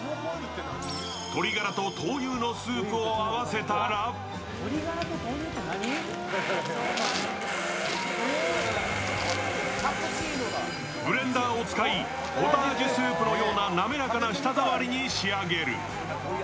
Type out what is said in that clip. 鶏ガラと豆乳のスープを合わせたらブレンダーを使い、ポタージュスープのような滑らかな舌触りに仕上げる。